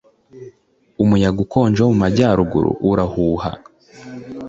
umuyaga ukonje wo mu majyaruguru urahuha